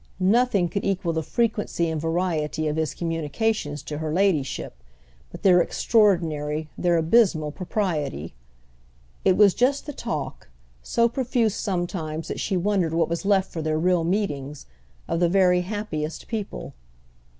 Nothing could equal the frequency and variety of his communications to her ladyship but their extraordinary, their abysmal propriety. It was just the talk—so profuse sometimes that she wondered what was left for their real meetings—of the very happiest people.